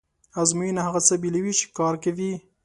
ازموینه هغه څه بېلوي چې کار کوي.